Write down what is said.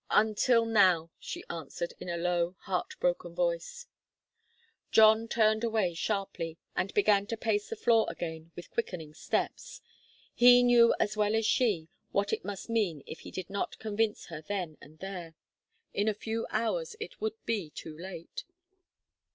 "Until now," she answered, in a low, heart broken voice. John turned away sharply, and began to pace the floor again with quickening steps. He knew as well as she what it must mean if he did not convince her then and there. In a few hours it would be too late.